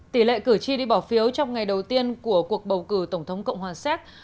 tỷ lệ cử tri đi bỏ phiếu trong ngày đầu tiên của cuộc bầu cử tổng thống cộng hòa séc